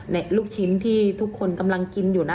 ในลูกชิ้นที่ทุกคนกำลังกิน